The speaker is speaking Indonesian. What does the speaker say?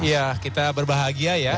iya kita berbahagia ya